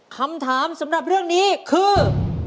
คำถามสำหรับเรื่องนี้คือ